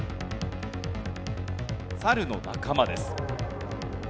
サルの仲間です。